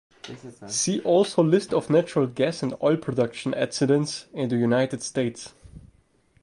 See also list of natural gas and oil production accidents in the United States.